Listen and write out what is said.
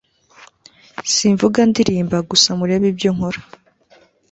Simvuga ndirimba gusa murebe ibyo nkora